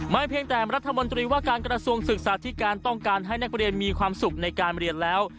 เพียงแต่รัฐมนตรีว่าการกระทรวงศึกษาธิการต้องการให้นักเรียนมีความสุขในการเรียนแล้ว